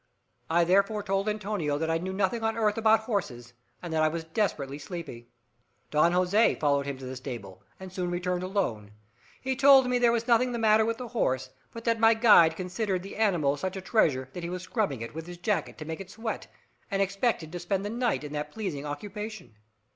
I therefore told Antonio that I knew nothing on earth about horses, and that I was desperately sleepy. Don Jose followed him to the stable, and soon returned alone. He told me there was nothing the matter with the horse, but that my guide considered the animal such a treasure that he was scrubbing it with his jacket to make it sweat, and expected to spend the night in that pleasing occupation.